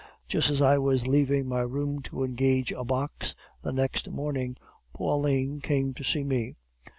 Just as I was leaving my room to engage a box the next morning, Pauline came to see me.